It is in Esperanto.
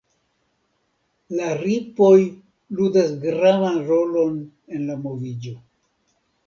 La ripoj ludas gravan rolon en la moviĝo.